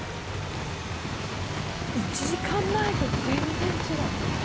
１時間前と全然違う。